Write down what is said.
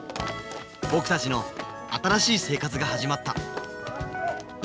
僕たちの新しい生活が始まった！